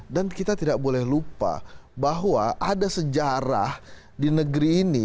dan kita tidak boleh lupa bahwa ada sejarah di negeri ini